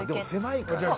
狭いから。